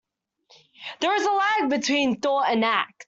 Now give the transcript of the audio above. There is a lag between thought and act.